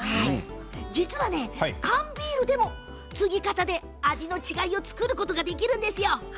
実は、缶ビールでもつぎ方で味の違いを作ることができるんですよ。